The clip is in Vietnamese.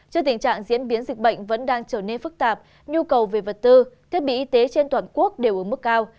trước tình trạng diễn biến dịch bệnh vẫn đang trở nên phức tạp nhu cầu về vật tư thiết bị y tế trên toàn quốc đều ở mức cao